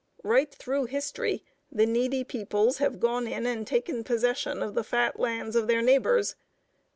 Right through history, the needy peoples have gone in and taken possession of the fat lands of their neighbors.